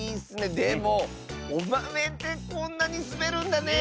でもおまめってこんなにすべるんだね！